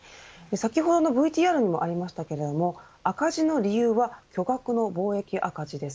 先ほどのＶＴＲにもありましたけれども赤字の理由は巨額の貿易赤字です。